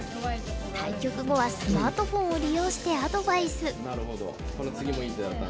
対局後はスマートフォンを利用してアドバイス。